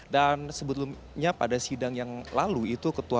dan sebetulnya pada sidang yang lalu itu